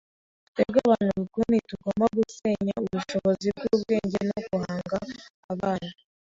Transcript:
Twebwe abantu bakuru ntitugomba gusenya ubushobozi bwubwenge no guhanga abana